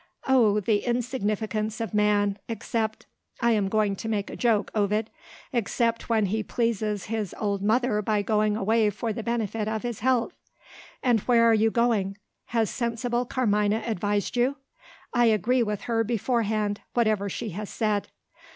Oh, the insignificance of man, except I am going to make a joke, Ovid except when he pleases his old mother by going away for the benefit of his health! And where are you going? Has sensible Carmina advised you? I agree with her beforehand, whatever she has said."